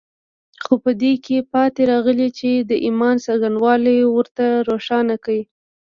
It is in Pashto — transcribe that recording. خو په دې کې پاتې راغلي چې د ايمان څرنګوالي ورته روښانه کړي.